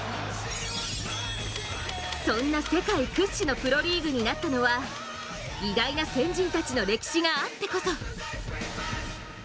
そんな世界屈指のプロリーグになったのは偉大な先人たちの歴史があってこそ。